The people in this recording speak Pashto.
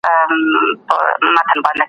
هغه وویل چې ټولنيزې شبکې نړۍ بدلوي.